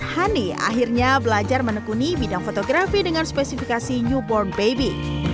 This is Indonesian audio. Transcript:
hani akhirnya belajar menekuni bidang fotografi dengan spesifikasi newborn baby